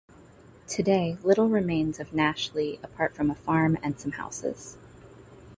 Today little remains of Nash Lee apart from a farm and some houses.